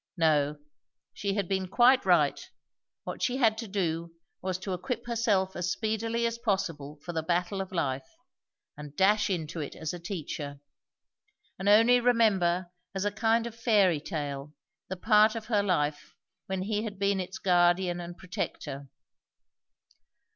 No; she had been quite right; what she had to do was to equip herself as speedly as possible for the battle of life, and dash into it as a teacher; and only remember as a kind of fairy tale the part of her life when he had been its guardian and protector.